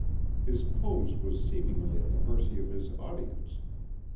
His pose was seemingly at the mercy of his audience.